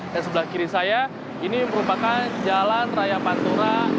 dan sebelah kiri saya ini merupakan jalan raya pantura